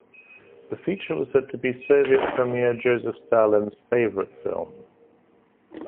The feature was said to be Soviet Premier Joseph Stalin's favourite film.